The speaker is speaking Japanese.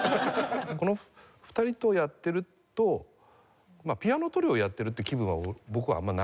この２人とやってるとピアノトリオをやってるっていう気分は僕はあんまりない。